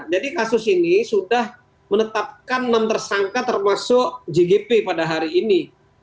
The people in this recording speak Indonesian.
jadi kasus ini sudah menetapkan enam tersangka termasuk jgp pada hari ini